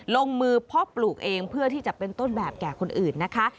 ลงมือเพาะปลูกเองเพื่อที่จะเป็นต้นแบบแก่คนอื่นนะคะ